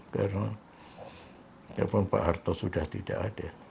karena ya pun pak harto sudah tidak ada